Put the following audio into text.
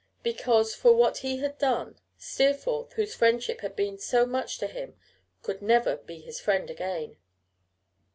Because, for what he had done, Steerforth, whose friendship had been so much to him, could never be his friend again.